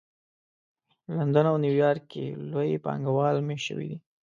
لندن او نیویارک کې لوی پانګه وال مېشت شوي دي